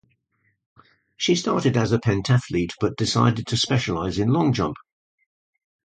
She started as a pentathlete, but decided to specialize in long jump.